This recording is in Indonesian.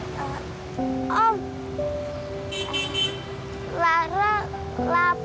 kapan om gustaf bisa bahagiain lara